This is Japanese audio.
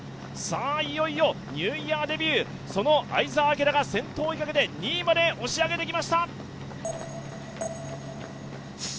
いよいよニューイヤーデビュー、その相澤晃が先頭を追いかけて２位まで押し上げてきました。